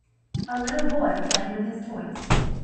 a little boy playing with his toys.